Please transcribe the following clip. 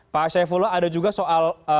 pak aceh fuloh ada juga soal